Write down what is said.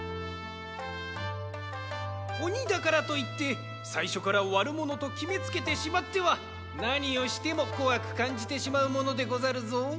おにだからといってさいしょからわるものときめつけてしまってはなにをしてもこわくかんじてしまうものでござるぞ。